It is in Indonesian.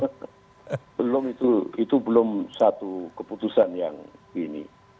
belum itu itu belum satu keputusan yang ini